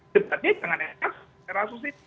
debatnya dengan rasusis